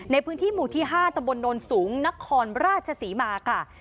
ในพื้นที่หมู่ที่๕ตำบลโนนสูงนครราชศรีมาค่ะ